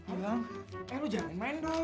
bilang eh lu jangan main dong